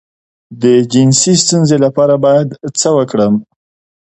د جنسي ستونزې لپاره باید څه وکړم؟